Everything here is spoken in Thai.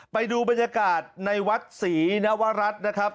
ไปดูบรรยากาศในวัดศรีนวรัฐนะครับ